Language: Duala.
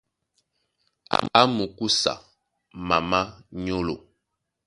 A mukúsa mamá nyólo.